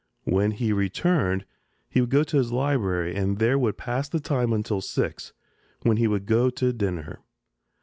When he returned he would go to his library and there would pass the time until six, when he would go to dinner.